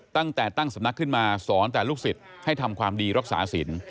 ตั้งแต่ตั้งสำนักขึ้นมาสอนแต่ลูกศิษย์ให้ทำความดีรักษาศิลป์